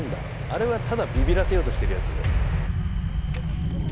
あれはただビビらせようとしてるやつ？